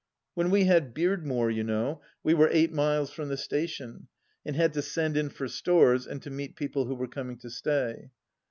When we had Beardmore, you know, we were eight miles from the station, and had to send in for stores and to meet people who were coming to stay.